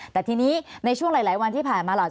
แต่ทีนี้ในช่วงหลายวันที่ผ่านมาล่ะ